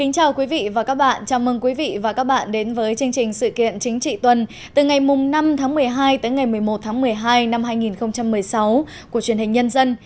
chào mừng quý vị và các bạn đến với chương trình sự kiện chính trị tuần từ ngày năm một mươi hai một mươi một một mươi hai hai nghìn một mươi sáu của truyền hình nhân dân